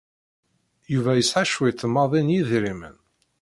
Yuba yesɛa cwiṭ maḍi n yedrimen.